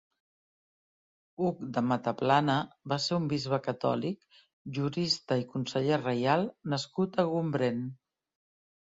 Hug de Mataplana va ser un bisbe catòlic, jurista i conseller reial nascut a Gombrèn.